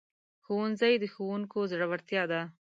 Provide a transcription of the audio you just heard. ښوونځی د ښوونکو زړورتیا ده